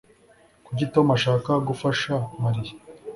Kuki Tom ashaka gufasha Mariya